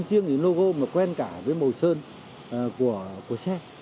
không riêng là logo mà quen cả với màu sơn của xe